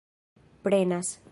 prenas